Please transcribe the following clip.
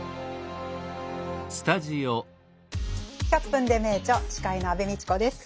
「１００分ｄｅ名著」司会の安部みちこです。